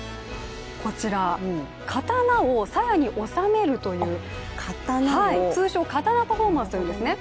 こちら、刀をさやに収めるという、通称・刀パフォーマンスというんですね。